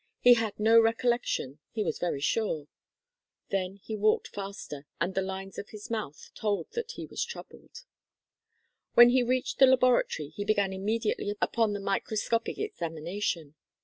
He had no recollection he was very sure then he walked faster, and the lines of his mouth told that he was troubled. When he reached the laboratory he began immediately upon the microscopic examination.